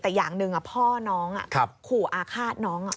แต่อย่างหนึ่งพ่อน้องขู่อาฆาตน้อง